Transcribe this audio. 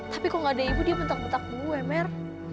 tapi kalau gak ada ibu dia mentak mentak gue mer